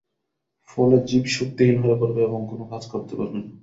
ফলে জীব শক্তিহীন হয়ে পড়বে এবং কোনো কাজ করতে পারবে না।